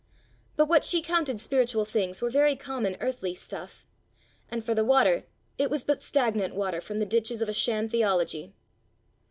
But what she counted spiritual things were very common earthly stuff, and for the water, it was but stagnant water from the ditches of a sham theology.